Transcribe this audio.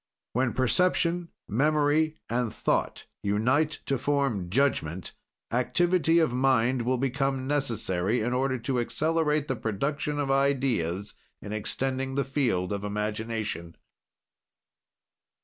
"When perception, memory, and thought unite to form judgment, activity of mind will become necessary, in order to accelerate the production of ideas in extending the field of imagination.